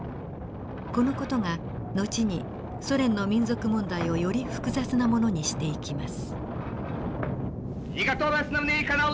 この事が後にソ連の民族問題をより複雑なものにしていきます。